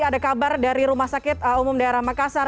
ada kabar dari rumah sakit umum daerah makassar